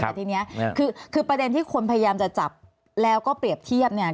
แต่ทีนี้คือประเด็นที่คนพยายามจะจับแล้วก็เปรียบเทียบเนี่ย